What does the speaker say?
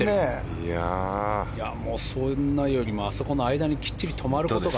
そんなことよりもあそこの間にきっちり止まることが。